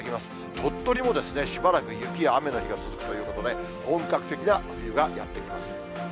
鳥取もしばらく雪や雨の日が続くということで、本格的な冬がやって来ます。